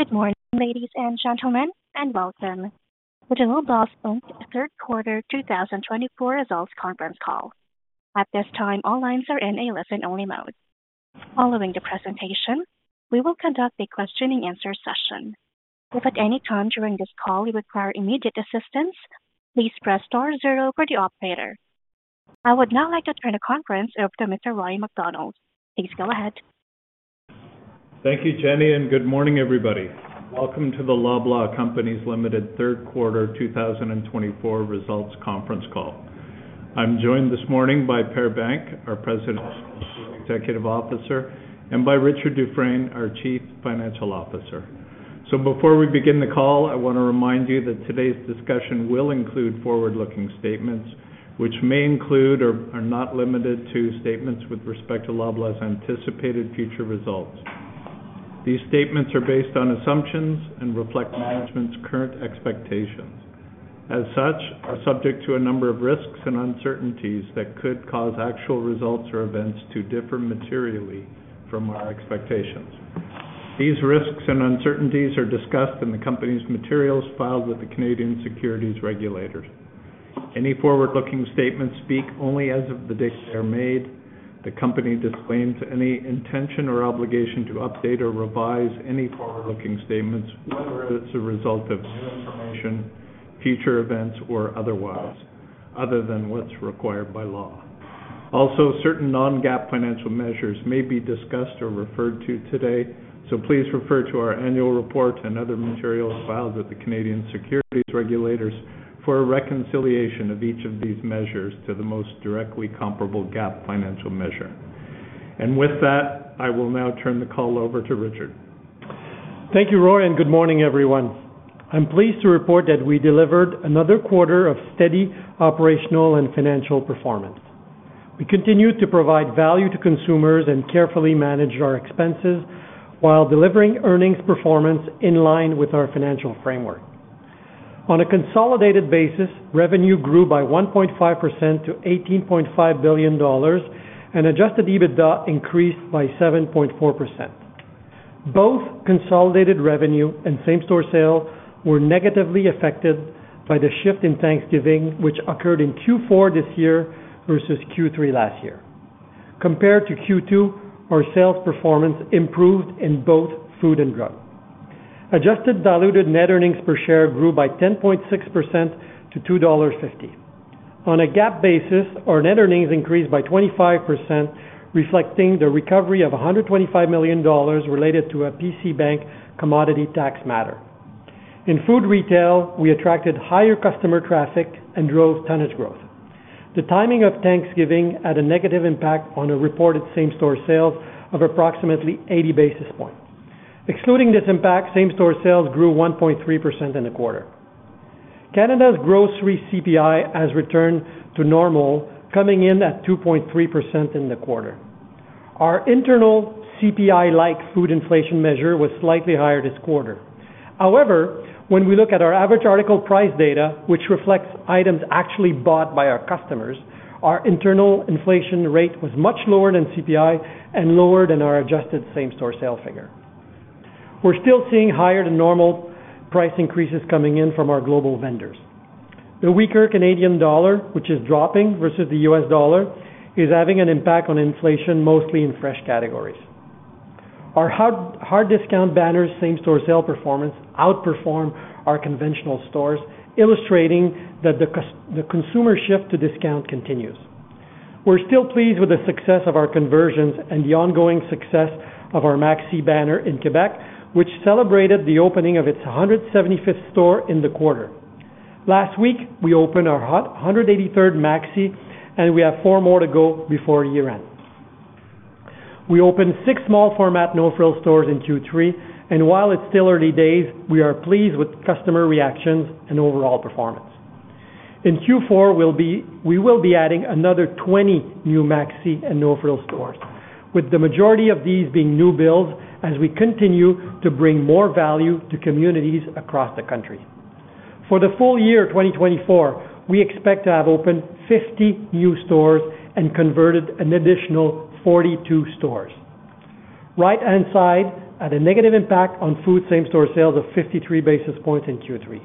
Good morning, ladies and gentlemen, and welcome to the Loblaw Companies' Third Quarter 2024 Results Conference Call. At this time, all lines are in a listen-only mode. Following the presentation, we will conduct a question-and-answer session. If at any time during this call you require immediate assistance, please press star zero for the operator. I would now like to turn the conference over to Mr. Roy MacDonald. Please go ahead. Thank you, Jenny, and good morning, everybody. Welcome to the Loblaw Companies Limited Third Quarter 2024 Results Conference Call. I'm joined this morning by Per Bank, our President and Chief Executive Officer, and by Richard Dufresne, our Chief Financial Officer. So before we begin the call, I want to remind you that today's discussion will include forward-looking statements, which may include or are not limited to statements with respect to Loblaw's anticipated future results. These statements are based on assumptions and reflect management's current expectations. As such, they are subject to a number of risks and uncertainties that could cause actual results or events to differ materially from our expectations. These risks and uncertainties are discussed in the company's materials filed with the Canadian securities regulators. Any forward-looking statements speak only as of the date they are made. The company disclaims any intention or obligation to update or revise any forward-looking statements, whether it's a result of new information, future events, or otherwise, other than what's required by law. Also, certain non-GAAP financial measures may be discussed or referred to today, so please refer to our annual report and other materials filed with the Canadian securities regulators for a reconciliation of each of these measures to the most directly comparable GAAP financial measure. With that, I will now turn the call over to Richard. Thank you, Roy, and good morning, everyone. I'm pleased to report that we delivered another quarter of steady operational and financial performance. We continued to provide value to consumers and carefully managed our expenses while delivering earnings performance in line with our financial framework. On a consolidated basis, revenue grew by 1.5% to 18.5 billion dollars, and Adjusted EBITDA increased by 7.4%. Both consolidated revenue and same-store sales were negatively affected by the shift in Thanksgiving, which occurred in Q4 this year versus Q3 last year. Compared to Q2, our sales performance improved in both food and drug. Adjusted diluted net earnings per share grew by 10.6% to 2.50 dollars. On a GAAP basis, our net earnings increased by 25%, reflecting the recovery of 125 million dollars related to a PC Bank commodity tax matter. In food retail, we attracted higher customer traffic and drove tonnage growth. The timing of Thanksgiving had a negative impact on reported same-store sales of approximately 80 basis points. Excluding this impact, same-store sales grew 1.3% in the quarter. Canada's grocery CPI has returned to normal, coming in at 2.3% in the quarter. Our internal CPI-like food inflation measure was slightly higher this quarter. However, when we look at our average article price data, which reflects items actually bought by our customers, our internal inflation rate was much lower than CPI and lower than our adjusted same-store sales figure. We're still seeing higher-than-normal price increases coming in from our global vendors. The weaker Canadian dollar, which is dropping versus the U.S. dollar, is having an impact on inflation, mostly in fresh categories. Our hard discount banners' same-store sales performance outperformed our conventional stores, illustrating that the consumer shift to discount continues. We're still pleased with the success of our conversions and the ongoing success of our Maxi banner in Quebec, which celebrated the opening of its 175th store in the quarter. Last week, we opened our 183rd Maxi, and we have four more to go before year-end. We opened six small-format No Frills stores in Q3, and while it's still early days, we are pleased with customer reactions and overall performance. In Q4, we will be adding another 20 new Maxi and No Frills stores, with the majority of these being new builds as we continue to bring more value to communities across the country. For the full year 2024, we expect to have opened 50 new stores and converted an additional 42 stores. Right-Hand Side had a negative impact on food same-store sales of 53 basis points in Q3.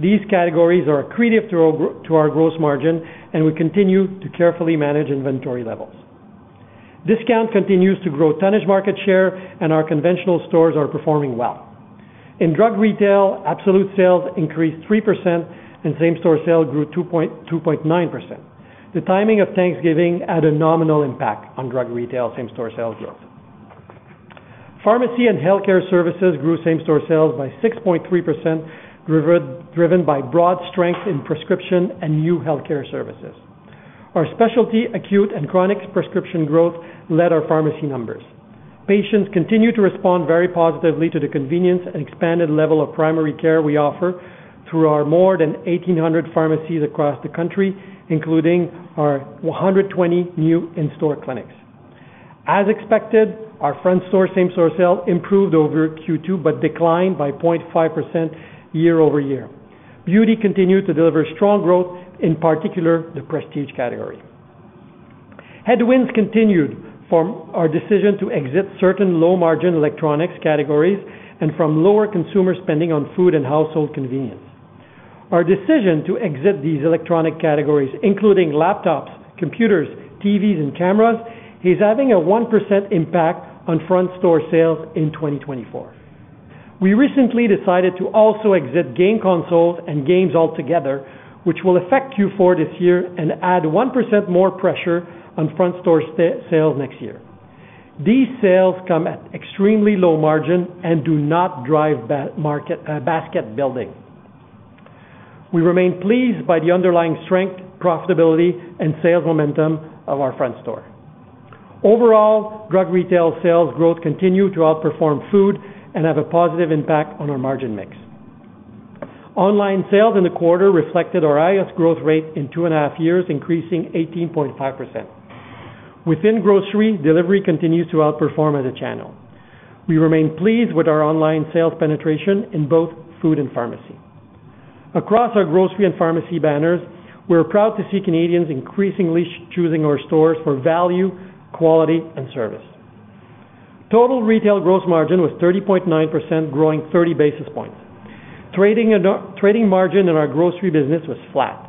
These categories are accretive to our gross margin, and we continue to carefully manage inventory levels. Discount continues to grow tonnage market share, and our conventional stores are performing well. In drug retail, absolute sales increased 3%, and same-store sales grew 2.9%. The timing of Thanksgiving had a nominal impact on drug retail same-store sales growth. Pharmacy and healthcare services grew same-store sales by 6.3%, driven by broad strength in prescription and new healthcare services. Our specialty acute and chronic prescription growth led our pharmacy numbers. Patients continue to respond very positively to the convenience and expanded level of primary care we offer through our more than 1,800 pharmacies across the country, including our 120 new in-store clinics. As expected, our front-store same-store sales improved over Q2 but declined by 0.5% year over year. Beauty continued to deliver strong growth, in particular the prestige category. Headwinds continued from our decision to exit certain low-margin electronics categories and from lower consumer spending on food and household convenience. Our decision to exit these electronic categories, including laptops, computers, TVs, and cameras, is having a 1% impact on front-store sales in 2024. We recently decided to also exit game consoles and games altogether, which will affect Q4 this year and add 1% more pressure on front-store sales next year. These sales come at extremely low margin and do not drive basket building. We remain pleased by the underlying strength, profitability, and sales momentum of our front-store. Overall, drug retail sales growth continued to outperform food and have a positive impact on our margin mix. Online sales in the quarter reflected our highest growth rate in two and a half years, increasing 18.5%. Within grocery, delivery continues to outperform as a channel. We remain pleased with our online sales penetration in both food and pharmacy. Across our grocery and pharmacy banners, we're proud to see Canadians increasingly choosing our stores for value, quality, and service. Total retail gross margin was 30.9%, growing 30 basis points. Trading margin in our grocery business was flat.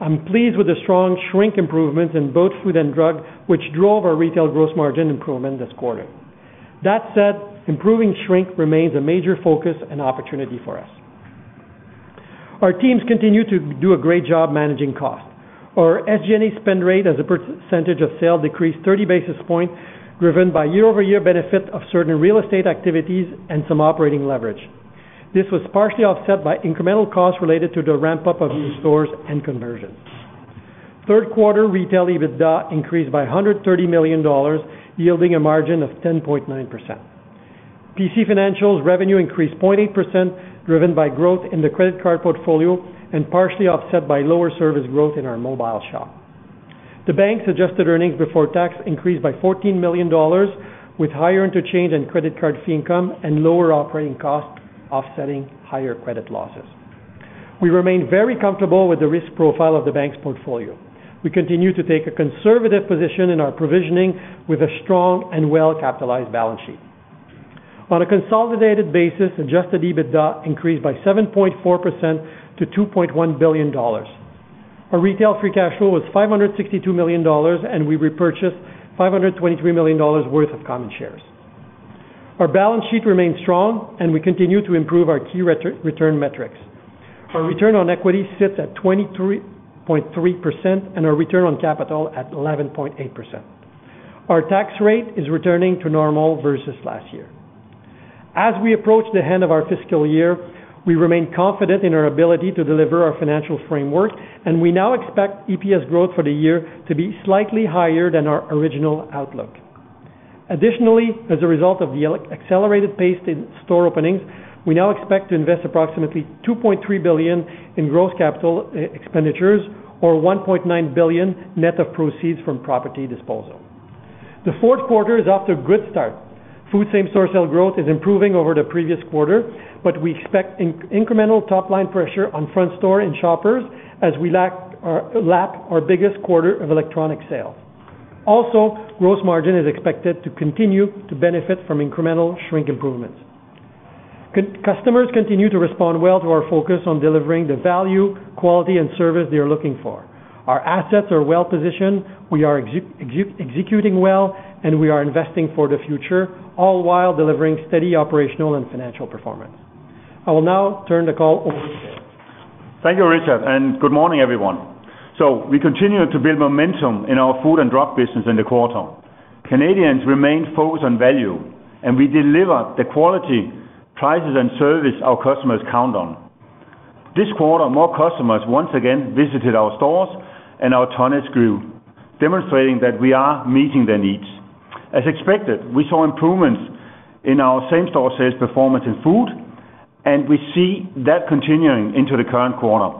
I'm pleased with the strong shrink improvements in both food and drug, which drove our retail gross margin improvement this quarter. That said, improving shrink remains a major focus and opportunity for us. Our teams continue to do a great job managing cost. Our SG&A spend rate as a percentage of sales decreased 30 basis points, driven by year-over-year benefit of certain real estate activities and some operating leverage. This was partially offset by incremental costs related to the ramp-up of new stores and conversions. Third-quarter retail EBITDA increased by 130 million dollars, yielding a margin of 10.9%. PC Financial's revenue increased 0.8%, driven by growth in the credit card portfolio and partially offset by lower service growth in our Mobile Shop. The bank's adjusted earnings before tax increased by CAD 14 million, with higher interchange and credit card fee income and lower operating costs offsetting higher credit losses. We remain very comfortable with the risk profile of the bank's portfolio. We continue to take a conservative position in our provisioning with a strong and well-capitalized balance sheet. On a consolidated basis, adjusted EBITDA increased by 7.4% to 2.1 billion dollars. Our retail free cash flow was 562 million dollars, and we repurchased 523 million dollars worth of common shares. Our balance sheet remains strong, and we continue to improve our key return metrics. Our return on equity sits at 23.3% and our return on capital at 11.8%. Our tax rate is returning to normal versus last year. As we approach the end of our fiscal year, we remain confident in our ability to deliver our financial framework, and we now expect EPS growth for the year to be slightly higher than our original outlook. Additionally, as a result of the accelerated pace in store openings, we now expect to invest approximately 2.3 billion in gross capital expenditures or 1.9 billion net of proceeds from property disposal. The fourth quarter is off to a good start. Food same-store sales growth is improving over the previous quarter, but we expect incremental top-line pressure on front-store and Shoppers as we lap our biggest quarter of electronic sales. Also, gross margin is expected to continue to benefit from incremental shrink improvements. Customers continue to respond well to our focus on delivering the value, quality, and service they are looking for. Our assets are well-positioned, we are executing well, and we are investing for the future, all while delivering steady operational and financial performance. I will now turn the call over to Per. Thank you, Richard, and good morning, everyone. So we continue to build momentum in our food and drug business in the quarter. Canadians remain focused on value, and we deliver the quality, prices, and service our customers count on. This quarter, more customers once again visited our stores and our tonnage grew, demonstrating that we are meeting their needs. As expected, we saw improvements in our same-store sales performance in food, and we see that continuing into the current quarter.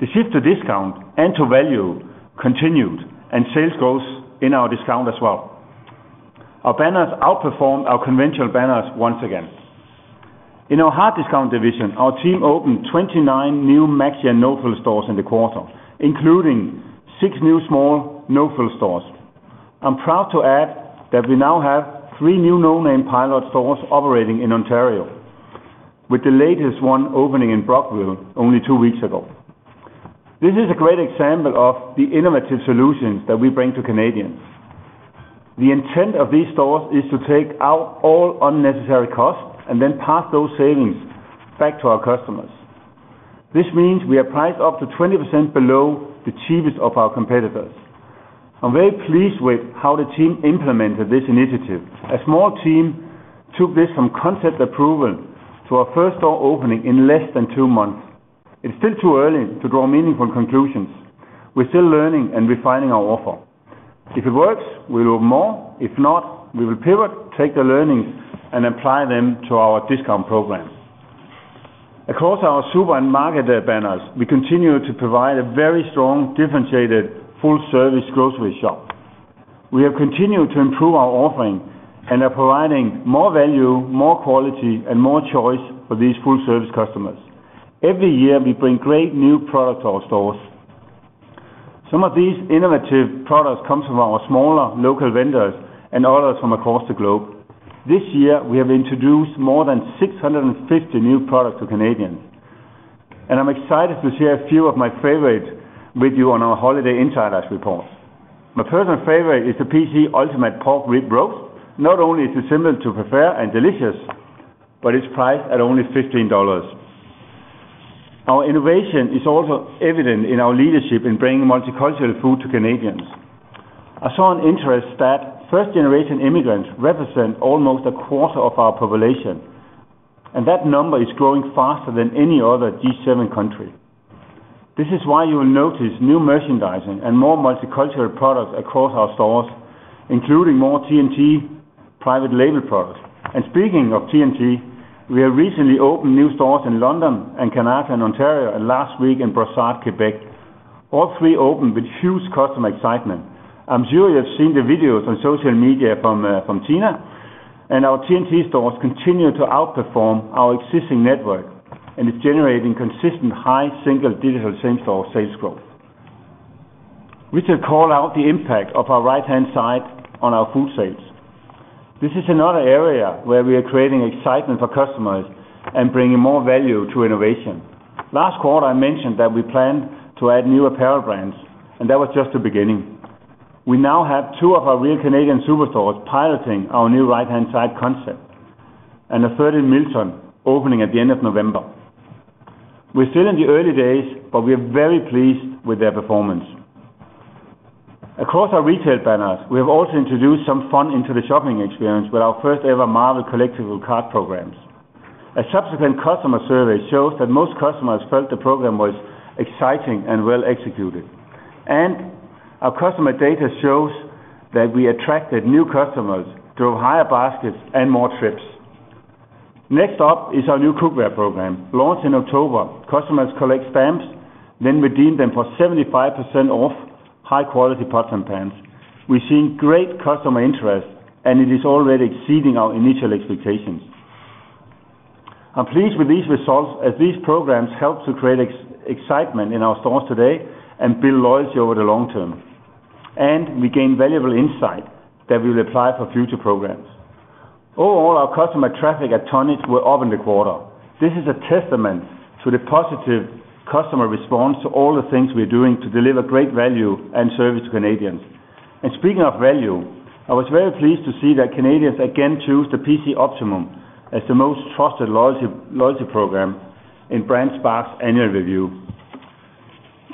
The shift to discount and to value continued, and sales growth in our discount as well. Our banners outperformed our conventional banners once again. In our hard discount division, our team opened 29 new Maxi and No Frills stores in the quarter, including six new small No Frills stores. I'm proud to add that we now have three new No Name pilot stores operating in Ontario, with the latest one opening in Brockville only two weeks ago. This is a great example of the innovative solutions that we bring to Canadians. The intent of these stores is to take out all unnecessary costs and then pass those savings back to our customers. This means we are priced up to 20% below the cheapest of our competitors. I'm very pleased with how the team implemented this initiative. A small team took this from concept approval to our first store opening in less than two months. It's still too early to draw meaningful conclusions. We're still learning and refining our offer. If it works, we'll do more. If not, we will pivot, take the learnings, and apply them to our discount program. Across our super and market banners, we continue to provide a very strong, differentiated, full-service grocery shop. We have continued to improve our offering and are providing more value, more quality, and more choice for these full-service customers. Every year, we bring great new products to our stores. Some of these innovative products come from our smaller local vendors and others from across the globe. This year, we have introduced more than 650 new products to Canadians, and I'm excited to share a few of my favorites with you on our holiday Insiders Report. My personal favorite is the PC Ultimate Pork Rib Roast. Not only is it simple to prepare and delicious, but it's priced at only 15 dollars. Our innovation is also evident in our leadership in bringing multicultural food to Canadians. I see an interesting fact that first-generation immigrants represent almost a quarter of our population, and that number is growing faster than any other G7 country. This is why you will notice new merchandising and more multicultural products across our stores, including more T&T private label products. Speaking of T&T, we have recently opened new stores in London, Ontario, Canada, and last week in Brossard, Quebec. All three opened with huge customer excitement. I'm sure you have seen the videos on social media from China, and our T&T stores continue to outperform our existing network, and it's generating consistent high single-digit same-store sales growth. Richard, call out the impact of our Right-Hand Side on our food sales. This is another area where we are creating excitement for customers and bringing more value to innovation. Last quarter, I mentioned that we planned to add new apparel brands, and that was just the beginning. We now have two of our Real Canadian Superstores piloting our new Right-Hand Side concept and a third in Milton, opening at the end of November. We're still in the early days, but we are very pleased with their performance. Across our retail banners, we have also introduced some fun into the shopping experience with our first-ever Marvel Collectible Cards programs. A subsequent customer survey shows that most customers felt the program was exciting and well-executed, and our customer data shows that we attracted new customers, drove higher baskets, and more trips. Next up is our new cookware program. Launched in October, customers collect stamps, then redeem them for 75% off high-quality pots and pans. We've seen great customer interest, and it is already exceeding our initial expectations. I'm pleased with these results as these programs help to create excitement in our stores today and build loyalty over the long term, and we gain valuable insight that we will apply for future programs. Overall, our customer traffic and tonnage will open the quarter. This is a testament to the positive customer response to all the things we are doing to deliver great value and service to Canadians. And speaking of value, I was very pleased to see that Canadians again choose the PC Optimum as the most trusted loyalty program in BrandSpark's annual review.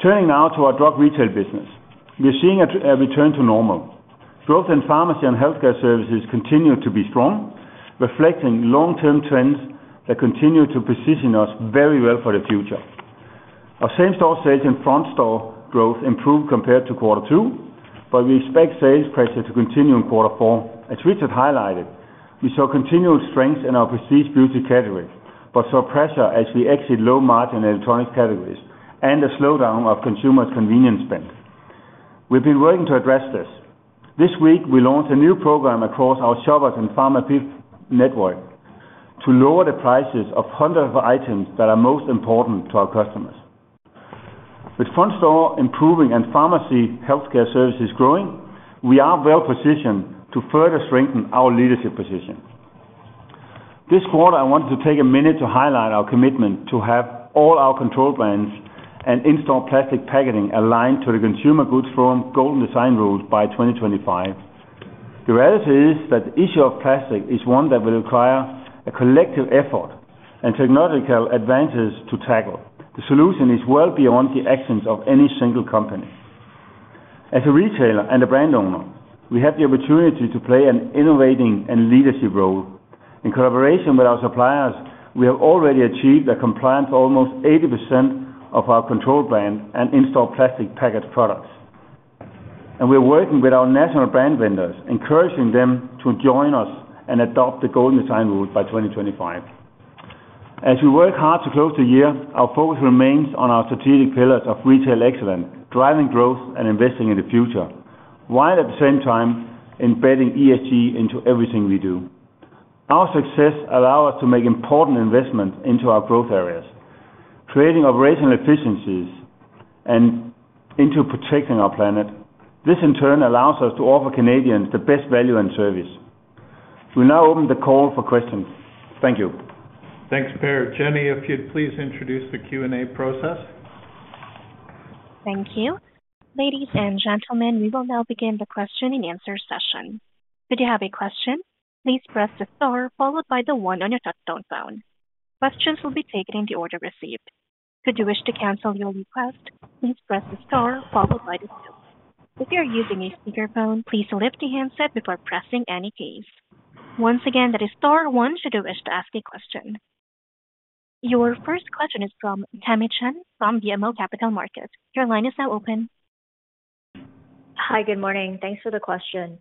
Turning now to our drug retail business, we are seeing a return to normal. Growth in pharmacy and healthcare services continues to be strong, reflecting long-term trends that continue to position us very well for the future. Our same-store sales and front-store growth improved compared to quarter two, but we expect sales pressure to continue in quarter four. As Richard highlighted, we saw continued strength in our prestige beauty category, but saw pressure as we exit low-margin electronics categories and a slowdown of consumers' convenience spend. We've been working to address this. This week, we launched a new program across our Shoppers and pharma network to lower the prices of hundreds of items that are most important to our customers. With front-store improving and pharmacy healthcare services growing, we are well-positioned to further strengthen our leadership position. This quarter, I wanted to take a minute to highlight our commitment to have all our control brands and in-store plastic packaging aligned to the Consumer Goods Forum Golden Design Rules by 2025. The reality is that the issue of plastic is one that will require a collective effort and technological advances to tackle. The solution is well beyond the actions of any single company. As a retailer and a brand owner, we have the opportunity to play an innovating and leadership role. In collaboration with our suppliers, we have already achieved a compliance of almost 80% of our control brand and in-store plastic package products, and we're working with our national brand vendors, encouraging them to join us and adopt the Golden Design Rules by 2025. As we work hard to close the year, our focus remains on our strategic pillars of retail excellence, driving growth and investing in the future, while at the same time embedding ESG into everything we do. Our success allows us to make important investments into our growth areas, creating operational efficiencies and into protecting our planet. This, in turn, allows us to offer Canadians the best value and service. We'll now open the call for questions. Thank you. Thanks, Per. Jenny, if you'd please introduce the Q&A process. Thank you. Ladies and gentlemen, we will now begin the question and answer session. If you have a question, please press the star followed by the one on your touch-tone phone. Questions will be taken in the order received. If you wish to cancel your request, please press the star followed by the two. If you are using a speakerphone, please lift the handset before pressing any keys. Once again, that is star one should you wish to ask a question. Your first question is from Tammy Chen from BMO Capital Markets. Your line is now open. Hi, good morning. Thanks for the question.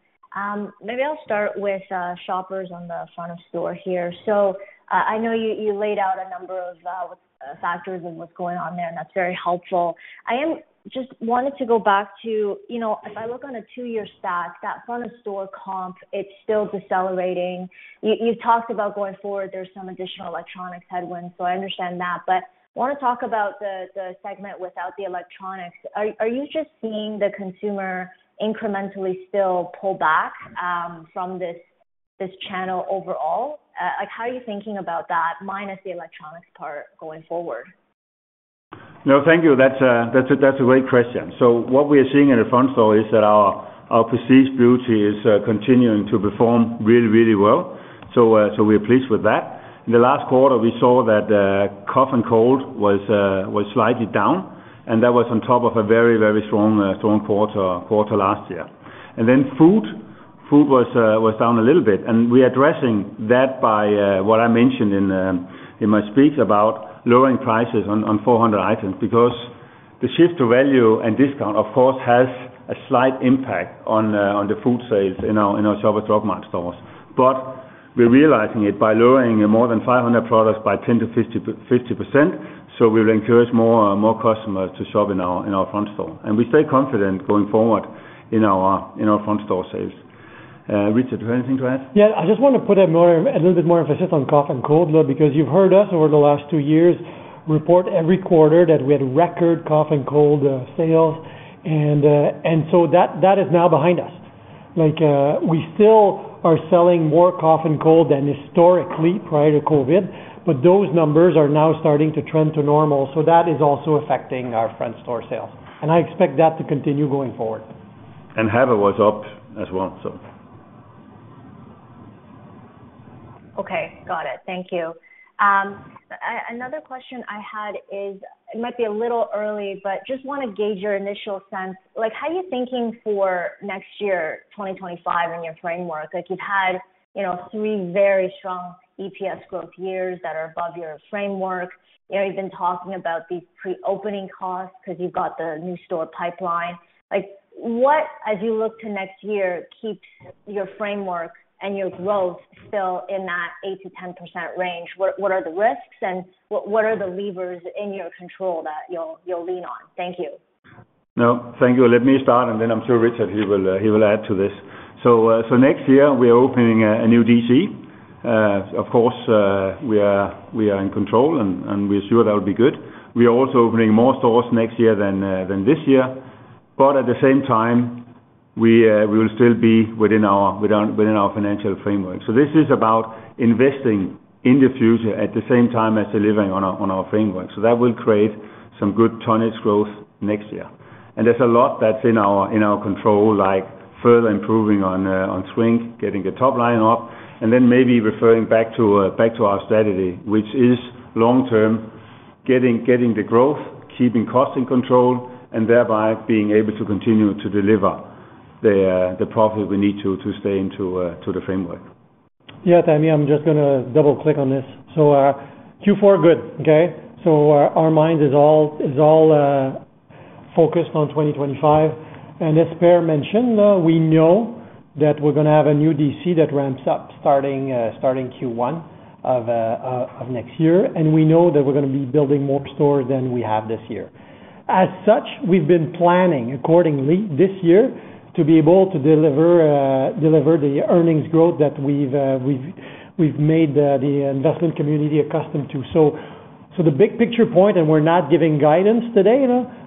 Maybe I'll start with Shoppers on the front of store here. So I know you laid out a number of factors of what's going on there, and that's very helpful. I just wanted to go back to, if I look on a two-year stack, that front-of-store comp, it's still decelerating. You've talked about going forward, there's some additional electronics headwinds, so I understand that, but I want to talk about the segment without the electronics. Are you just seeing the consumer incrementally still pull back from this channel overall? How are you thinking about that, minus the electronics part going forward? No, thank you. That's a great question. So what we are seeing in the front-store is that our prestige beauty is continuing to perform really, really well. So we're pleased with that. In the last quarter, we saw that cough and cold was slightly down, and that was on top of a very, very strong quarter last year. And then food was down a little bit, and we are addressing that by what I mentioned in my speech about lowering prices on 400 items because the shift to value and discount, of course, has a slight impact on the food sales in our Shoppers Drug Mart stores. But we're realizing it by lowering more than 500 products by 10%-50%, so we will encourage more customers to shop in our front-store. And we stay confident going forward in our front-store sales. Richard, do you have anything to add? Yeah, I just want to put a little bit more emphasis on cough and cold, because you've heard us over the last two years report every quarter that we had record cough and cold sales, and so that is now behind us. We still are selling more cough and cold than historically prior to COVID, but those numbers are now starting to trend to normal, so that is also affecting our front store sales, and I expect that to continue going forward. And allergy was up as well, so. Okay, got it. Thank you. Another question I had is, it might be a little early, but just want to gauge your initial sense. How are you thinking for next year, 2025, in your framework? You've had three very strong EPS growth years that are above your framework. You've been talking about these pre-opening costs because you've got the new store pipeline. What, as you look to next year, keeps your framework and your growth still in that 8%-10% range? What are the risks, and what are the levers in your control that you'll lean on? Thank you. No, thank you. Let me start, and then I'm sure Richard, he will add to this. So next year, we are opening a new DC. Of course, we are in control, and we're sure that will be good. We are also opening more stores next year than this year, but at the same time, we will still be within our financial framework. So this is about investing in the future at the same time as delivering on our framework. So that will create some good tonnage growth next year. And there's a lot that's in our control, like further improving on strength, getting the top line up, and then maybe referring back to our strategy, which is long-term, getting the growth, keeping costs in control, and thereby being able to continue to deliver the profit we need to stay into the framework. Yeah, Tammy, I'm just going to double-click on this. So Q4, good, okay? Our mind is all focused on 2025. As Per mentioned, we know that we're going to have a new DC that ramps up starting Q1 of next year, and we know that we're going to be building more stores than we have this year. As such, we've been planning accordingly this year to be able to deliver the earnings growth that we've made the investment community accustomed to. The big picture point, and we're not giving guidance today,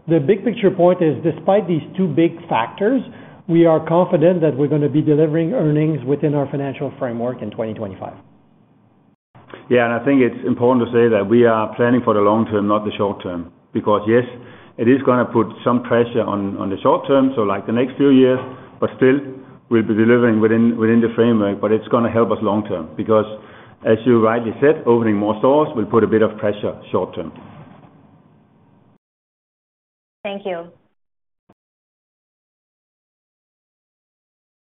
the big picture point is, despite these two big factors, we are confident that we're going to be delivering earnings within our financial framework in 2025. Yeah, and I think it's important to say that we are planning for the long term, not the short term, because yes, it is going to put some pressure on the short term, so like the next few years, but still, we'll be delivering within the framework, but it's going to help us long term because, as you rightly said, opening more stores will put a bit of pressure short term. Thank you.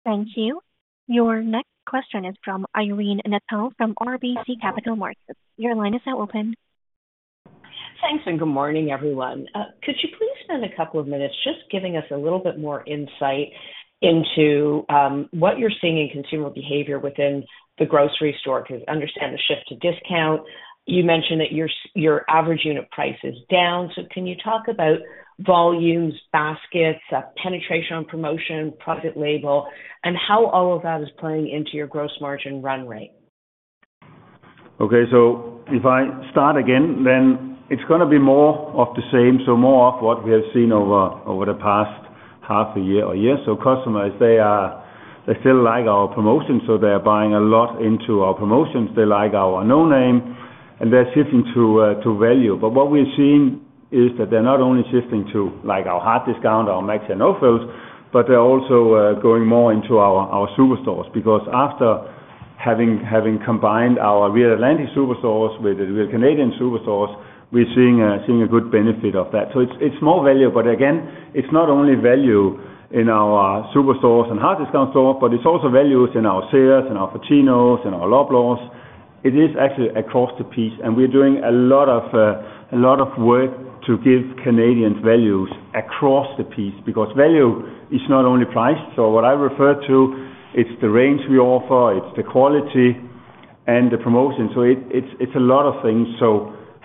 Thank you. Your next question is from Irene Nattel from RBC Capital Markets. Your line is now open. Thanks, and good morning, everyone. Could you please spend a couple of minutes just giving us a little bit more insight into what you're seeing in consumer behavior within the grocery store? Because I understand the shift to discount. You mentioned that your average unit price is down, so can you talk about volumes, baskets, penetration on promotion, private label, and how all of that is playing into your gross margin run rate? Okay, so if I start again, then it's going to be more of the same, so more of what we have seen over the past half a year or year. So customers, they still like our promotions, so they're buying a lot into our promotions. They like our No Name, and they're shifting to value. But what we're seeing is that they're not only shifting to our hard discount, our Maxi and No Frills, but they're also going more into our superstores because after having combined our Real Atlantic Superstores with the Real Canadian Superstores, we're seeing a good benefit of that. So it's more value, but again, it's not only value in our superstores and hard discount stores, but it's also values in our Zehrs and our Fortinos and our Loblaws. It is actually across the piece, and we're doing a lot of work to give Canadians values across the piece because value is not only price. So what I refer to, it's the range we offer, it's the quality, and the promotion. So it's a lot of things.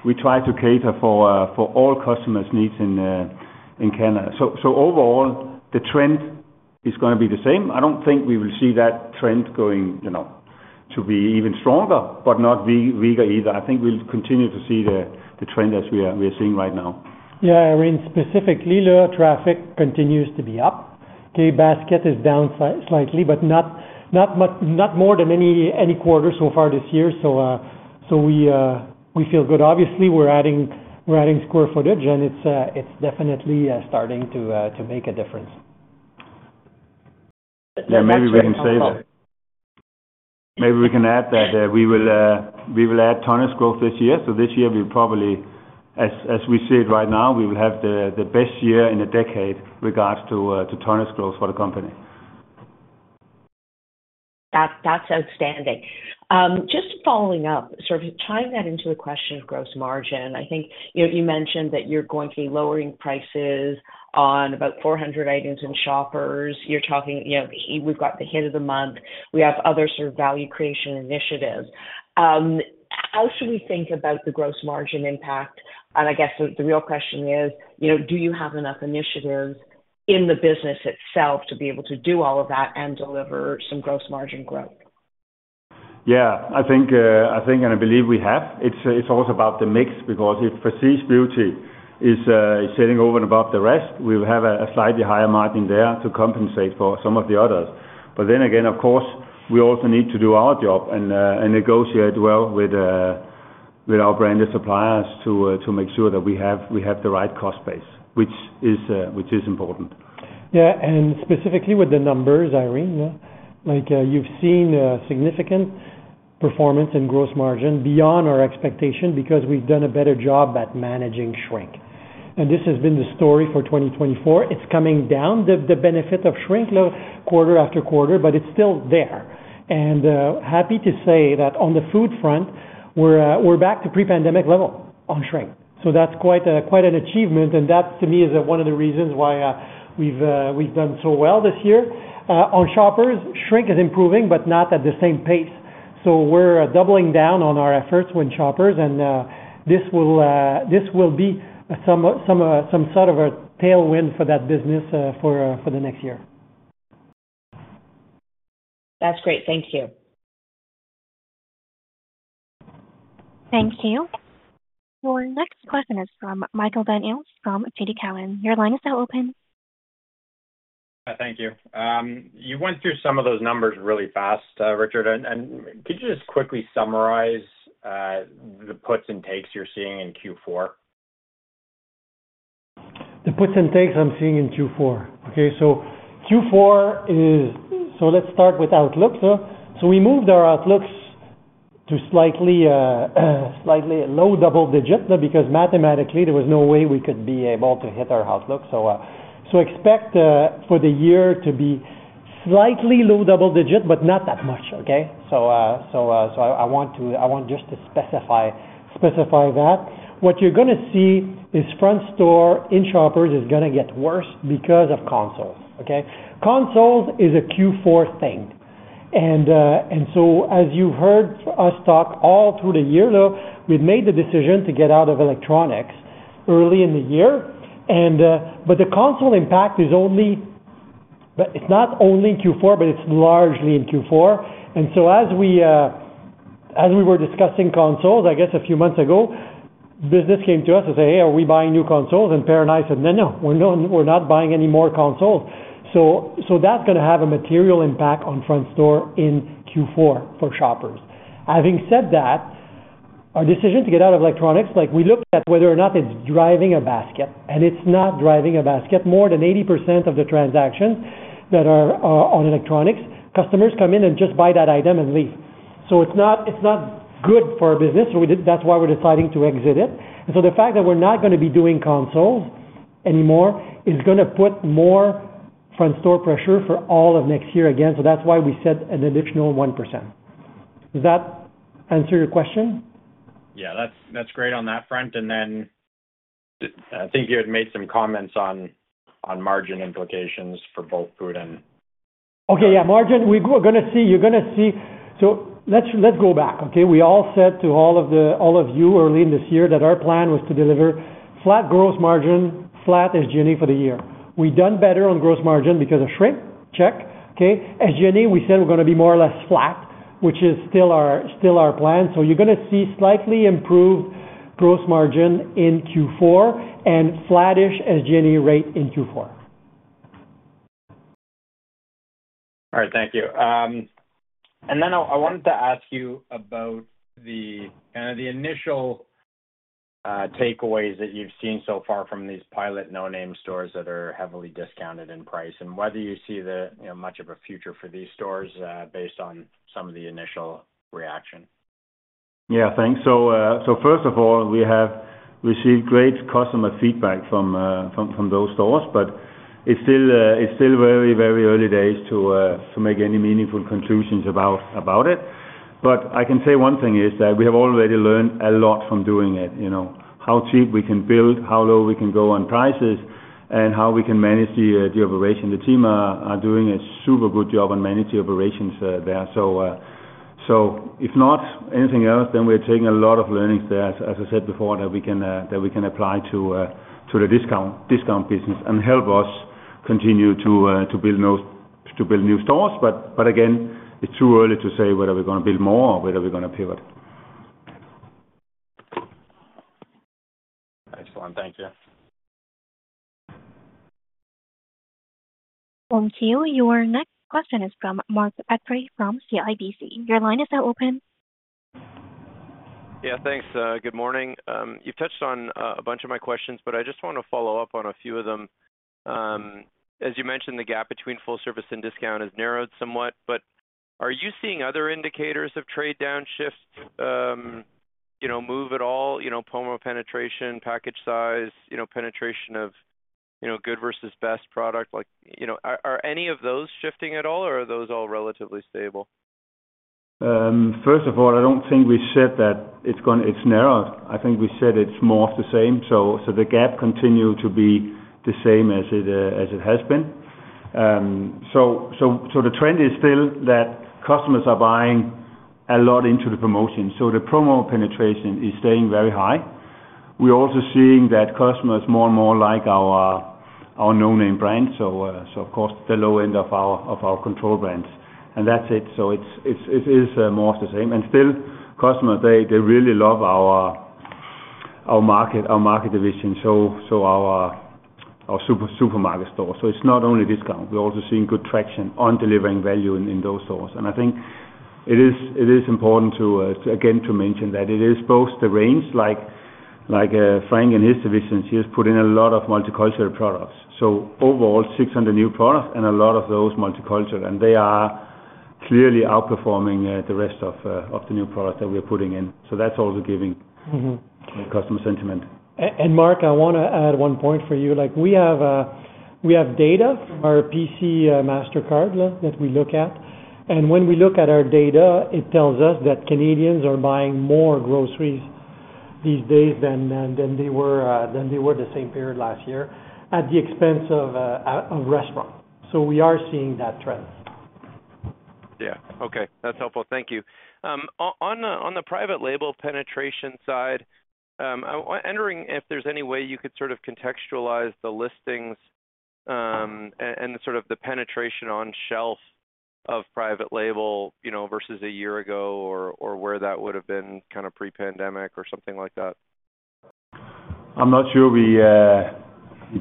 So we try to cater for all customers' needs in Canada. So overall, the trend is going to be the same. I don't think we will see that trend going to be even stronger, but not weaker either. I think we'll continue to see the trend as we are seeing right now. Yeah, Irene, specifically, our traffic continues to be up. Basket is down slightly, but not more than any quarter so far this year, so we feel good. Obviously, we're adding square footage, and it's definitely starting to make a difference. Yeah, maybe we can say that. Maybe we can add that we will add tonnage growth this year. So this year, we probably, as we see it right now, we will have the best year in a decade in regards to tonnage growth for the company. That's outstanding. Just following up, sort of tying that into the question of gross margin, I think you mentioned that you're going to be lowering prices on about 400 items in Shoppers. We've got the Hit of the Month. We have other sort of value creation initiatives. How should we think about the gross margin impact? And I guess the real question is, do you have enough initiatives in the business itself to be able to do all of that and deliver some gross margin growth? Yeah, I think and I believe we have. It's also about the mix because if prestige beauty is sitting over and above the rest, we will have a slightly higher margin there to compensate for some of the others. But then again, of course, we also need to do our job and negotiate well with our branded suppliers to make sure that we have the right cost base, which is important. Yeah, and specifically with the numbers, Irene, you've seen significant performance in gross margin beyond our expectation because we've done a better job at managing shrink. And this has been the story for 2024. It's coming down, the benefit of shrink, quarter after quarter, but it's still there. And, happy to say, that on the food front, we're back to pre-pandemic level on shrink. So that's quite an achievement, and that, to me, is one of the reasons why we've done so well this year. On Shoppers, shrink is improving, but not at the same pace. So we're doubling down on our efforts with Shoppers, and this will be some sort of a tailwind for that business for the next year. That's great. Thank you. Thank you. Your next question is from Michael Van Aelst from TD Cowen. Your line is now open. Thank you. You went through some of those numbers really fast, Richard, and could you just quickly summarize the puts and takes you're seeing in Q4? The puts and takes I'm seeing in Q4. Okay, so Q4 is so let's start with outlook. So we moved our outlooks to slightly low double digit because mathematically, there was no way we could be able to hit our outlook. So expect for the year to be slightly low double digit, but not that much, okay? So I want just to specify that. What you're going to see is front store in Shoppers is going to get worse because of consoles. Consoles is a Q4 thing. And so as you've heard us talk all through the year, we've made the decision to get out of electronics early in the year. But the console impact is only it's not only in Q4, but it's largely in Q4. As we were discussing consoles, I guess a few months ago, business came to us and said, "Hey, are we buying new consoles?" Per and I said, "No, no, we're not buying any more consoles." So that's going to have a material impact on front store in Q4 for Shoppers. Having said that, our decision to get out of electronics, we looked at whether or not it's driving a basket, and it's not driving a basket. More than 80% of the transactions that are on electronics, customers come in and just buy that item and leave. So it's not good for our business, so that's why we're deciding to exit it. The fact that we're not going to be doing consoles anymore is going to put more front store pressure for all of next year again. So that's why we said an additional 1%. Does that answer your question? Yeah, that's great on that front. And then I think you had made some comments on margin implications for both food and. Okay, yeah. Margin, you're going to see. So let's go back. We all said to all of you early in this year that our plan was to deliver flat gross margin, flat SG&A for the year. We've done better on gross margin because of shrink. Check. Okay, SG&A. We said we're going to be more or less flat, which is still our plan. So you're going to see slightly improved gross margin in Q4 and flattish SG&A rate in Q4. All right, thank you, and then I wanted to ask you about the initial takeaways that you've seen so far from these pilot No Name stores that are heavily discounted in price and whether you see much of a future for these stores based on some of the initial reaction? Yeah, thanks. So first of all, we have received great customer feedback from those stores, but it's still very, very early days to make any meaningful conclusions about it. But I can say one thing is that we have already learned a lot from doing it, how cheap we can build, how low we can go on prices, and how we can manage the operation. The team are doing a super good job on managing operations there. So if not anything else, then we're taking a lot of learnings there, as I said before, that we can apply to the discount business and help us continue to build new stores. But again, it's too early to say whether we're going to build more or whether we're going to pivot. Excellent. Thank you. Thank you. Your next question is from Mark Petrie from CIBC Capital Markets. Your line is now open. Yeah, thanks. Good morning. You've touched on a bunch of my questions, but I just want to follow up on a few of them. As you mentioned, the gap between full service and discount has narrowed somewhat, but are you seeing other indicators of trade downshifts move at all? Promo penetration, package size, penetration of good versus best product, are any of those shifting at all, or are those all relatively stable? First of all, I don't think we said that it's narrowed. I think we said it's more of the same. So the gap continues to be the same as it has been. So the trend is still that customers are buying a lot into the promotion. So the promo penetration is staying very high. We're also seeing that customers more and more like our No Name brands, so of course, the low end of our control brands. And that's it. So it is more of the same. And still, customers, they really love our market division, so our supermarket stores. So it's not only discount. We're also seeing good traction on delivering value in those stores. And I think it is important to, again, mention that it is both the range, like Frank and his divisions, he has put in a lot of multicultural products. So overall, 600 new products and a lot of those multicultural. And they are clearly outperforming the rest of the new products that we are putting in. So that's also giving customer sentiment. Mark, I want to add one point for you. We have data from our PC MasterCard that we look at. When we look at our data, it tells us that Canadians are buying more groceries these days than they were the same period last year at the expense of restaurants. We are seeing that trend. Yeah. Okay. That's helpful. Thank you. On the private label penetration side, wondering if there's any way you could sort of contextualize the listings and sort of the penetration on shelf of private label versus a year ago or where that would have been kind of pre-pandemic or something like that. I'm not sure we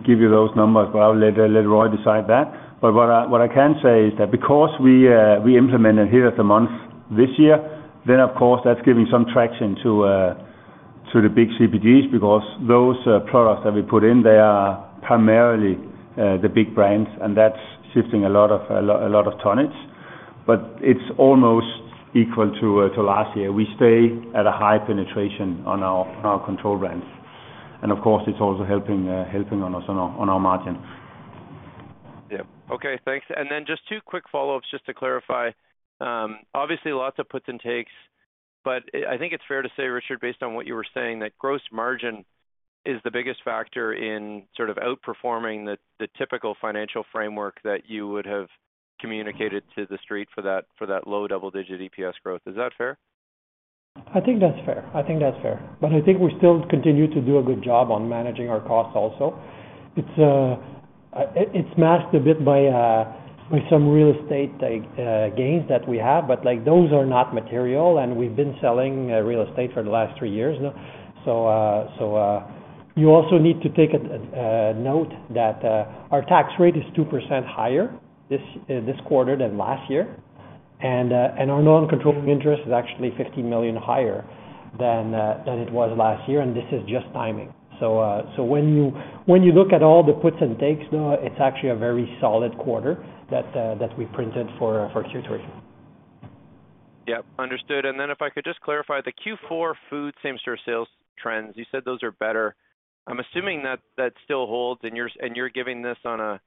give you those numbers, but I'll let Roy decide that. But what I can say is that because we implemented Hit of the Month this year, then of course, that's giving some traction to the big CPGs because those products that we put in, they are primarily the big brands, and that's shifting a lot of tonnage. But it's almost equal to last year. We stay at a high penetration on our control brands. And of course, it's also helping on us on our margin. Yeah. Okay. Thanks. And then just two quick follow-ups just to clarify. Obviously, lots of puts and takes, but I think it's fair to say, Richard, based on what you were saying, that gross margin is the biggest factor in sort of outperforming the typical financial framework that you would have communicated to the street for that low double-digit EPS growth. Is that fair? I think that's fair. I think that's fair. But I think we still continue to do a good job on managing our costs also. It's masked a bit by some real estate gains that we have, but those are not material, and we've been selling real estate for the last three years now. So you also need to take note that our tax rate is 2% higher this quarter than last year. And our non-controlling interest is actually 50 million higher than it was last year, and this is just timing. So when you look at all the puts and takes, it's actually a very solid quarter that we printed for Q3. Yep. Understood. And then if I could just clarify the Q4 food same-store sales trends, you said those are better. I'm assuming that still holds, and you're giving this on a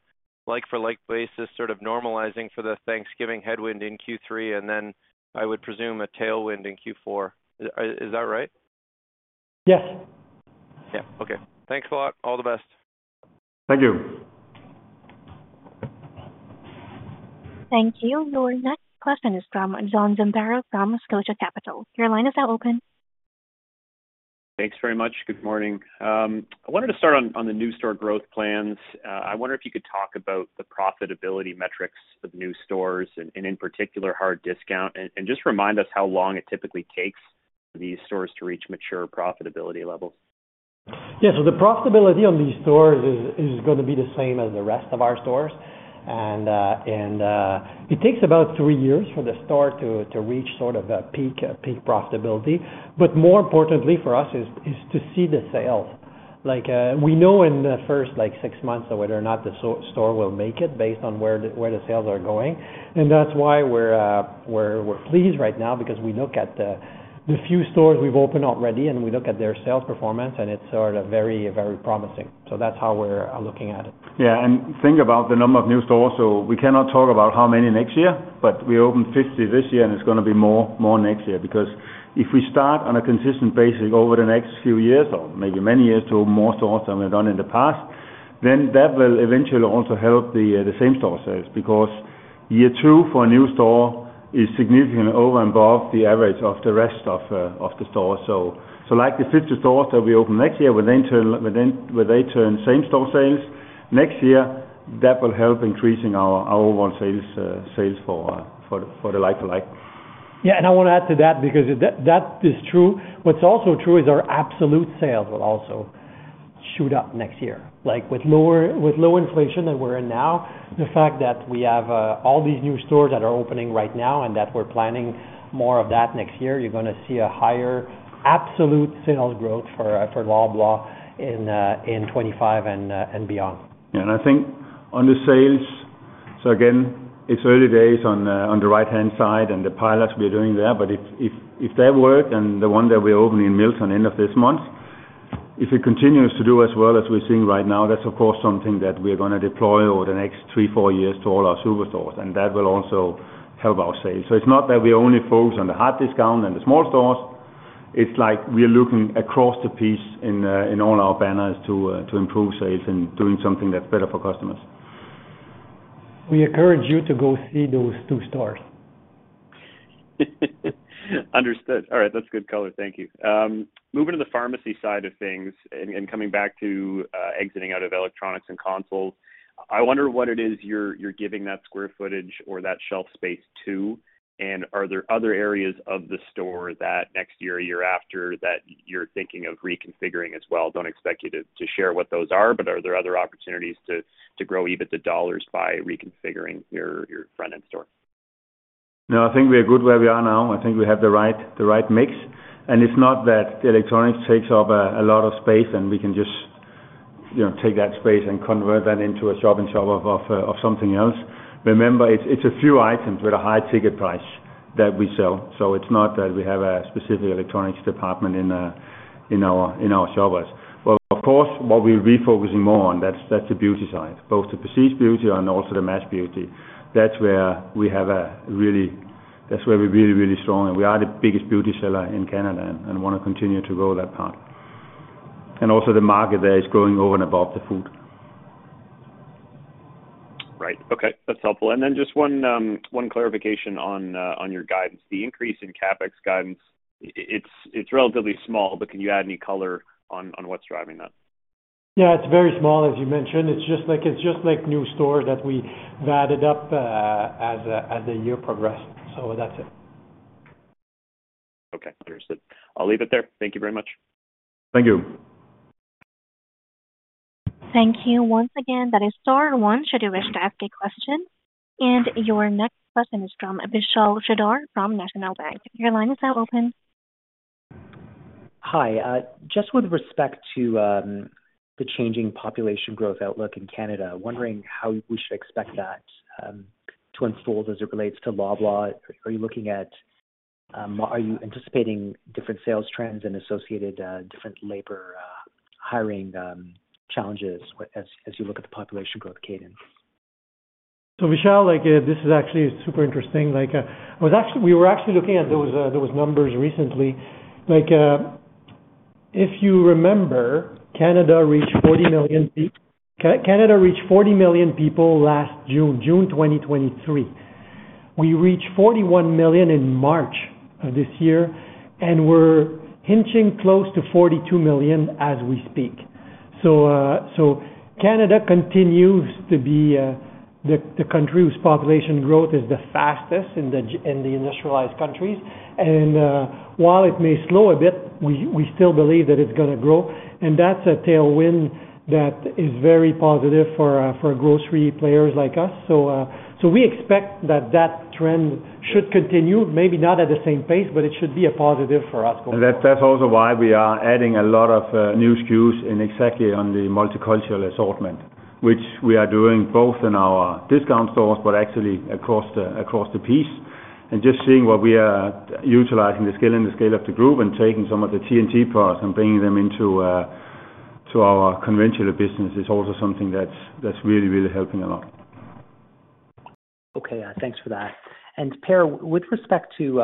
like-for-like basis, sort of normalizing for the Thanksgiving headwind in Q3, and then I would presume a tailwind in Q4. Is that right? Yes. Yeah. Okay. Thanks a lot. All the best. Thank you. Thank you. Your next question is from John Zamparo from Scotiabank. Your line is now open. Thanks very much. Good morning. I wanted to start on the new store growth plans. I wonder if you could talk about the profitability metrics of new stores and, in particular, hard discount, and just remind us how long it typically takes for these stores to reach mature profitability levels. Yeah. So the profitability on these stores is going to be the same as the rest of our stores. And it takes about three years for the store to reach sort of a peak profitability. But more importantly for us is to see the sales. We know in the first six months whether or not the store will make it based on where the sales are going. And that's why we're pleased right now because we look at the few stores we've opened already, and we look at their sales performance, and it's sort of very, very promising. So that's how we're looking at it. Yeah. And think about the number of new stores. So we cannot talk about how many next year, but we opened 50 this year, and it's going to be more next year because if we start on a consistent basis over the next few years, or maybe many years to open more stores than we've done in the past, then that will eventually also help the same-store sales because year two for a new store is significantly over and above the average of the rest of the stores. So like the 50 stores that we open next year, when they turn same-store sales next year, that will help increasing our overall sales for the like-for-like. Yeah. And I want to add to that because that is true. What's also true is our absolute sales will also shoot up next year. With low inflation that we're in now, the fact that we have all these new stores that are opening right now and that we're planning more of that next year, you're going to see a higher absolute sales growth for Loblaw in 2025 and beyond. Yeah. And I think on the sales, so again, it's early days on the Right-Hand Side and the pilots we are doing there. But if that works and the one that we're opening in Milton end of this month, if it continues to do as well as we're seeing right now, that's, of course, something that we're going to deploy over the next three, four years to all our superstores, and that will also help our sales. So it's not that we only focus on the hard discount and the small stores. It's like we're looking across the board in all our banners to improve sales and doing something that's better for customers. We encourage you to go see those two stores. Understood. All right. That's good color. Thank you. Moving to the pharmacy side of things and coming back to exiting out of electronics and consoles, I wonder what it is you're giving that square footage or that shelf space to, and are there other areas of the store that next year or year after that you're thinking of reconfiguring as well? Don't expect you to share what those are, but are there other opportunities to grow even the dollars by reconfiguring your front-store? No, I think we are good where we are now. I think we have the right mix. And it's not that the electronics takes up a lot of space, and we can just take that space and convert that into a shop-in-shop of something else. Remember, it's a few items with a high ticket price that we sell. So it's not that we have a specific electronics department in our Shoppers. But of course, what we're refocusing more on, that's the beauty side, both the prestige beauty and also the mass beauty. That's where we're really, really strong. And we are the biggest beauty seller in Canada and want to continue to grow that part. And also the market there is growing over and above the food. Right. Okay. That's helpful. And then just one clarification on your guidance. The increase in CapEx guidance, it's relatively small, but can you add any color on what's driving that? Yeah. It's very small, as you mentioned. It's just like new stores that we've added up as the year progressed. So that's it. Okay. Understood. I'll leave it there. Thank you very much. Thank you. Thank you once again. That is star one, should you wish to ask a question. And your next question is from Vishal Shreedhar from National Bank Financial. Your line is now open. Hi. Just with respect to the changing population growth outlook in Canada, wondering how we should expect that to unfold as it relates to Loblaw. Are you anticipating different sales trends and associated different labor hiring challenges as you look at the population growth cadence? Vishal, this is actually super interesting. We were actually looking at those numbers recently. If you remember, Canada reached 40 million people last June, June 2023. We reached 41 million in March of this year, and we're edging close to 42 million as we speak. So Canada continues to be the country whose population growth is the fastest in the industrialized countries. And while it may slow a bit, we still believe that it's going to grow. And that's a tailwind that is very positive for grocery players like us. So we expect that that trend should continue. Maybe not at the same pace, but it should be a positive for us. And that's also why we are adding a lot of new SKUs exactly on the multicultural assortment, which we are doing both in our discount stores but actually across the board. And just seeing what we are utilizing the skill and the scale of the group and taking some of the T&T products and bringing them into our conventional business is also something that's really, really helping a lot. Okay. Thanks for that. And Per, with respect to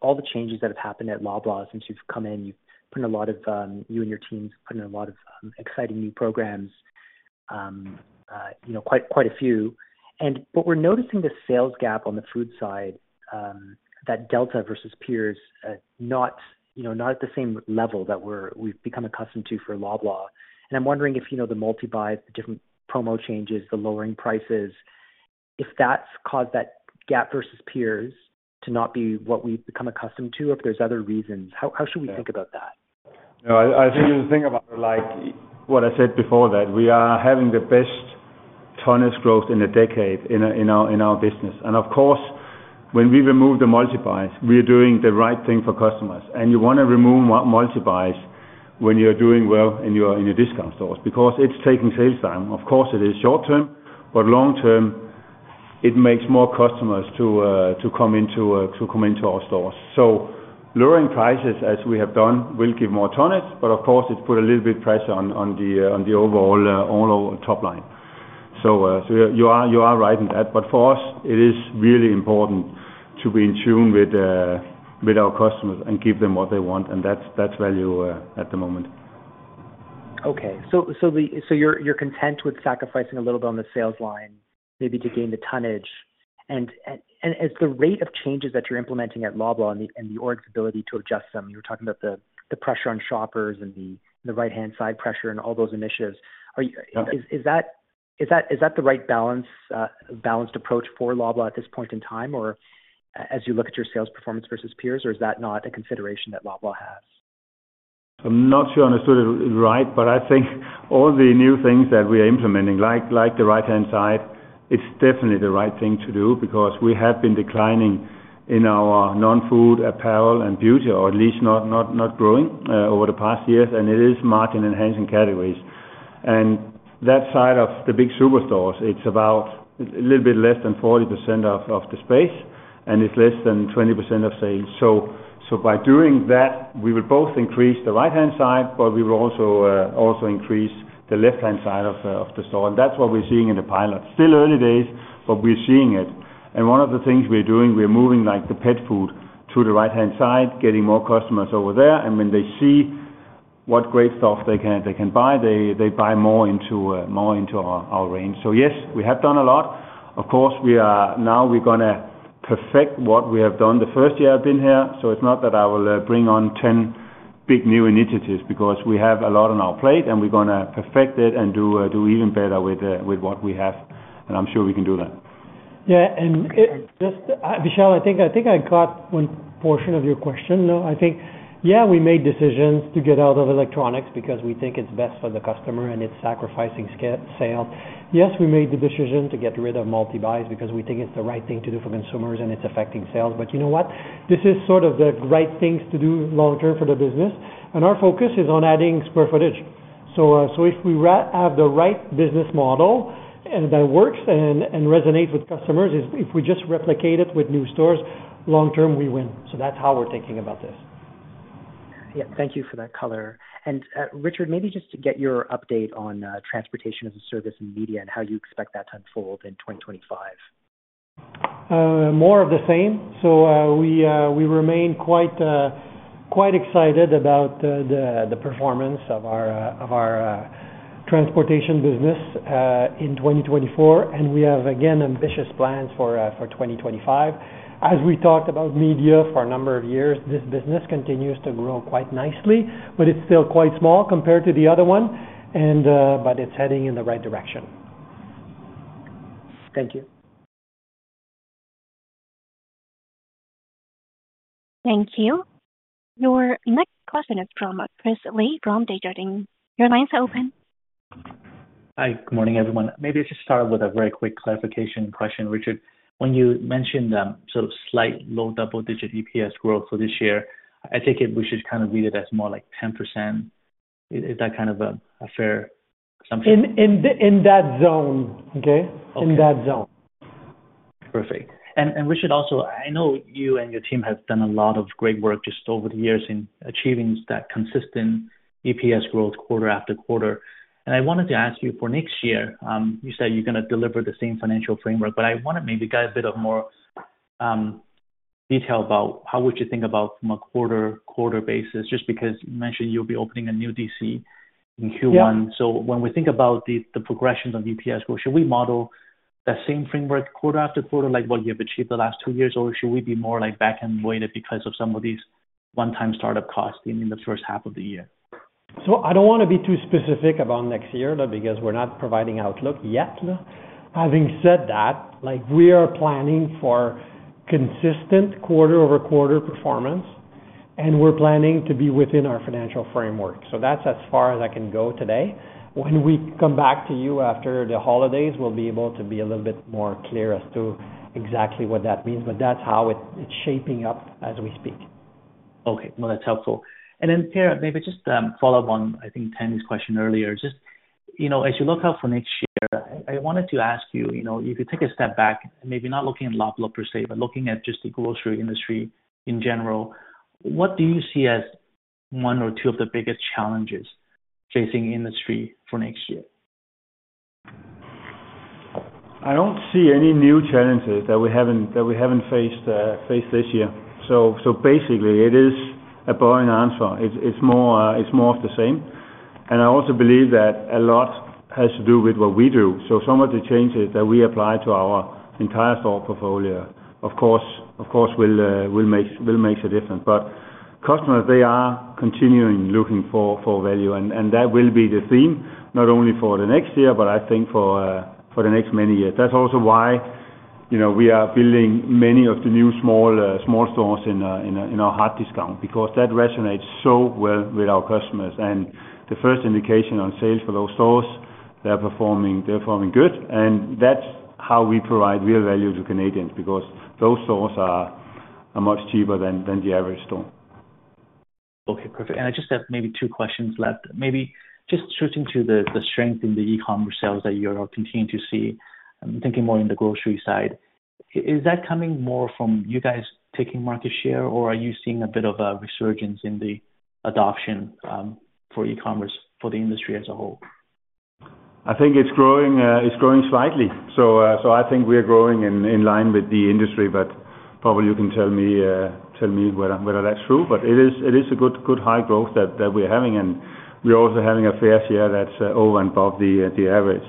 all the changes that have happened at Loblaw since you've come in, you and your team have put in a lot of exciting new programs, quite a few. And but we're noticing the sales gap on the food side, that delta versus peers, not at the same level that we've become accustomed to for Loblaw. And I'm wondering if the multi-buys, the different promo changes, the lowering prices, if that's caused that gap versus peers to not be what we've become accustomed to, or if there's other reasons. How should we think about that? No. I think you think about what I said before, that we are having the best tonnage growth in a decade in our business. And of course, when we remove the multi-buys, we are doing the right thing for customers. And you want to remove multi-buys when you're doing well in your discount stores because it's taking sales time. Of course, it is short-term, but long-term, it makes more customers to come into our stores. So lowering prices, as we have done, will give more tonnage, but of course, it's put a little bit of pressure on the overall top line. So you are right in that. But for us, it is really important to be in tune with our customers and give them what they want. And that's value at the moment. Okay. So you're content with sacrificing a little bit on the sales line maybe to gain the tonnage. And, as the rate of changes that you're implementing at Loblaw and the org's ability to adjust them, you were talking about the pressure on Shoppers and the Right-Hand Side pressure and all those initiatives. Is that the right balanced approach for Loblaw at this point in time, or as you look at your sales performance versus peers, or is that not a consideration that Loblaw has? I'm not sure I understood it right, but I think all the new things that we are implementing, like the Right-Hand Side, it's definitely the right thing to do because we have been declining in our non-food, apparel, and beauty, or at least not growing over the past years, and it is margin enhancing categories, and that side of the big superstores, it's about a little bit less than 40% of the space, and it's less than 20% of sales, so by doing that, we will both increase the Right-Hand Side, but we will also increase the left-hand side of the store, and that's what we're seeing in the pilot. Still early days, but we're seeing it, and one of the things we're doing, we're moving the pet food to the Right-Hand Side, getting more customers over there. When they see what great stuff they can buy, they buy more into our range. Yes, we have done a lot. Of course, now we're going to perfect what we have done the first year I've been here. It's not that I will bring on 10 big new initiatives because we have a lot on our plate, and we're going to perfect it and do even better with what we have. I'm sure we can do that. Yeah. And just, Vishal, I think I got one portion of your question. I think, yeah, we made decisions to get out of electronics because we think it's best for the customer and it's sacrificing sales. Yes, we made the decision to get rid of multi-buys because we think it's the right thing to do for consumers and it's affecting sales. But you know what? This is sort of the right things to do long-term for the business. And our focus is on adding square footage. So if we have the right business model that works and resonates with customers, if we just replicate it with new stores, long-term, we win. So that's how we're thinking about this. Yeah. Thank you for that color. And Richard, maybe just to get your update on transportation as a service and media and how you expect that to unfold in 2025. More of the same. So we remain quite excited about the performance of our transportation business in 2024. And we have, again, ambitious plans for 2025. As we talked about media for a number of years, this business continues to grow quite nicely, but it's still quite small compared to the other one. But it's heading in the right direction. Thank you. Thank you. Your next question is from Chris Li from Desjardins. Your line is open. Hi. Good morning, everyone. Maybe I should start with a very quick clarification question, Richard. When you mentioned sort of slight low double-digit EPS growth for this year, I take it we should kind of read it as more like 10%. Is that kind of a fair assumption? In that zone. Okay? In that zone. Perfect. And Richard, also, I know you and your team have done a lot of great work just over the years in achieving that consistent EPS growth quarter after quarter. And I wanted to ask you for next year, you said you're going to deliver the same financial framework, but I want to maybe get a bit of more detail about how would you think about from a quarter-quarter basis just because you mentioned you'll be opening a new DC in Q1. So when we think about the progression of EPS growth, should we model that same framework quarter after quarter like what you have achieved the last two years, or should we be more back-end weighted because of some of these one-time startup costs in the first half of the year? So I don't want to be too specific about next year because we're not providing outlook yet. Having said that, we are planning for consistent quarter-over-quarter performance, and we're planning to be within our financial framework. So that's as far as I can go today. When we come back to you after the holidays, we'll be able to be a little bit more clear as to exactly what that means. But that's how it's shaping up as we speak. Okay. Well, that's helpful. And then, Per, maybe just follow up on, I think, Tamy's question earlier. Just as you look out for next year, I wanted to ask you, if you take a step back, maybe not looking at Loblaw per se, but looking at just the grocery industry in general, what do you see as one or two of the biggest challenges facing industry for next year? I don't see any new challenges that we haven't faced this year. So basically, it is a boring answer. It's more of the same. And I also believe that a lot has to do with what we do. So some of the changes that we apply to our entire store portfolio, of course, will make a difference. But customers, they are continuing looking for value. And that will be the theme, not only for the next year, but I think for the next many years. That's also why we are building many of the new small stores in our hard discount because that resonates so well with our customers. And the first indication on sales for those stores, they're performing good. And that's how we provide real value to Canadians because those stores are much cheaper than the average store. Okay. Perfect. And I just have maybe two questions left. Maybe just switching to the strength in the e-commerce sales that you are continuing to see, I'm thinking more in the grocery side. Is that coming more from you guys taking market share, or are you seeing a bit of a resurgence in the adoption for e-commerce for the industry as a whole? I think it's growing slightly. So I think we are growing in line with the industry, but probably you can tell me whether that's true. But it is a good high growth that we're having. And we're also having a fair share that's over and above the average.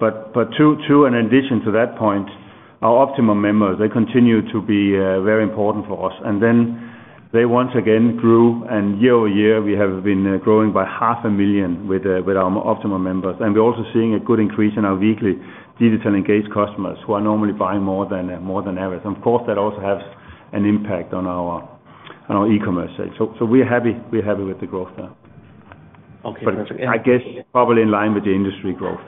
But too, in addition to that point, our Optimum members, they continue to be very important for us. And then they once again grew. And year over year, we have been growing by 500,000 with our Optimum members. And we're also seeing a good increase in our weekly digital engaged customers who are normally buying more than average. And of course, that also has an impact on our e-commerce sales. So we're happy with the growth there. Okay. Perfect. But I guess probably in line with the industry growth.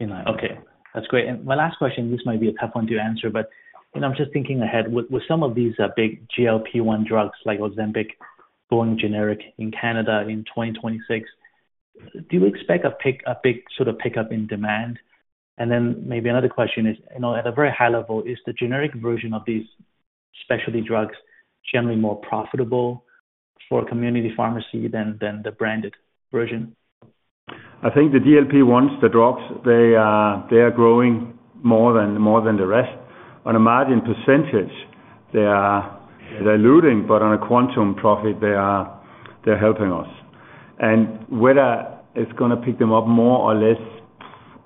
In line. Okay. That's great. And my last question, this might be a tough one to answer, but I'm just thinking ahead. With some of these big GLP-1 drugs like Ozempic going generic in Canada in 2026, do you expect a big sort of pickup in demand? And then maybe another question is, at a very high level, is the generic version of these specialty drugs generally more profitable for community pharmacy than the branded version? I think the GLP-1s, the drugs, they are growing more than the rest. On a margin percentage, they are diluting, but on a quantum profit, they are helping us, and whether it's going to pick them up more or less,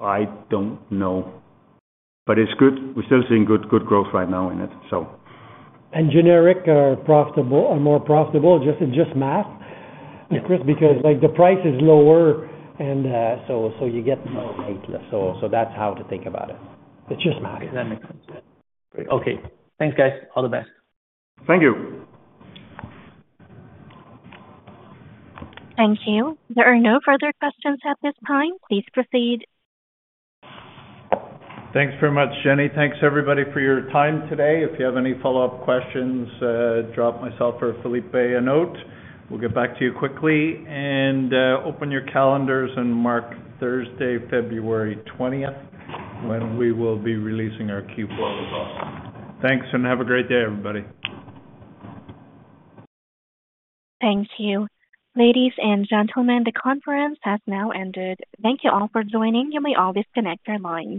I don't know, but it's good. We're still seeing good growth right now in it, so. Generics are more profitable? Just math, Chris, because the price is lower, and so you get more weight loss. So that's how to think about it. It's just math. That makes sense. Okay. Thanks, guys. All the best. Thank you. Thank you. There are no further questions at this time. Please proceed. Thanks very much, Jenny. Thanks, everybody, for your time today. If you have any follow-up questions, drop myself or Philippe a note. We'll get back to you quickly. And open your calendars and mark Thursday, February 20th, when we will be releasing our Q4 results. Thanks, and have a great day, everybody. Thank you. Ladies and gentlemen, the conference has now ended. Thank you all for joining. You may now disconnect your line.